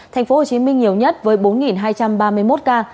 tp hcm nhiều nhất với bốn hai trăm ba mươi một ca